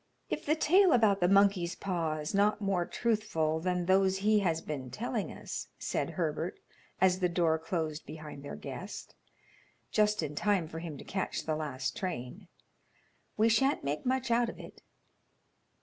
"If the tale about the monkey's paw is not more truthful than those he has been telling us," said Herbert, as the door closed behind their guest, just in time for him to catch the last train, "we sha'nt make much out of it."